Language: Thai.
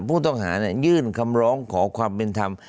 ผู้ต้องหายื่นคำร้องขอความเป็นธรรม